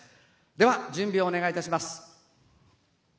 では、準備をお願いいたします。